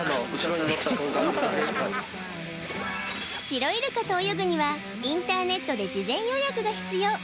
シロイルカと泳ぐにはインターネットで事前予約が必要